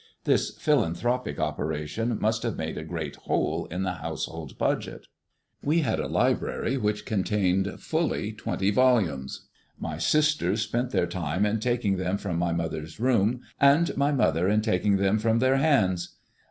This philanthropic operation must have made a great hole in the household budget. We had a library which contained fully twenty volumes. My sisters spent their time in taking them from my mother's room, and my mother in taking them from their hands.